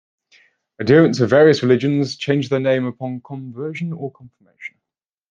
Adherents of various religions change their name upon conversion or confirmation.